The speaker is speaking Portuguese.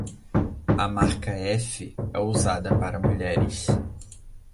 A marca F é usada para mulheres.